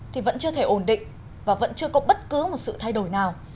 thì vẫn chưa thể ổn định và vẫn chưa có bất cứ một sự thay đổi nào